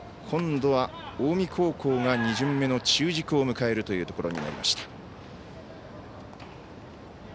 今度は近江高校が２巡目の中軸を迎えるところになりました。